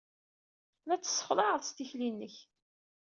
La tessexlaɛed s tikli-nnek.